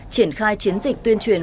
triển khai chiến dịch tuyên truyền